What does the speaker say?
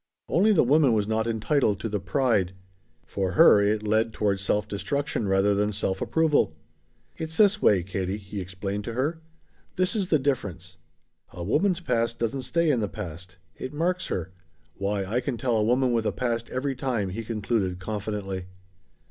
Only the woman was not entitled to the pride. For her it led toward self destruction rather than self approval. "It's this way, Katie," he explained to her. "This is the difference. A woman's past doesn't stay in the past. It marks her. Why I can tell a woman with a past every time," he concluded confidently.